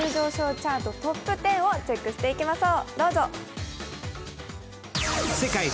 チャートトップ１０をチェックしていきましょう。